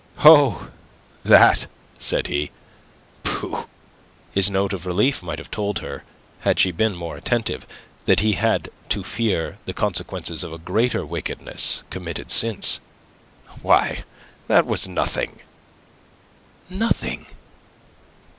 "Oh, that!" said he. "Pooh!" His note of relief might have told her, had she been more attentive, that he had to fear the consequences of a greater wickedness committed since. "Why, that was nothing." "Nothing?"